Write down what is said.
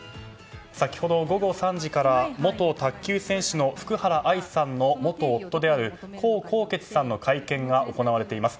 先ほど、午後３時から元卓球選手の福原愛さんの元夫である江宏傑さんの会見が行われています。